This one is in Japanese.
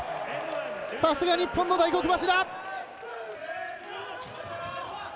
さすが日本の大黒柱！